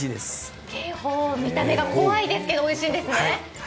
見た目が怖いけどおいしいんですね。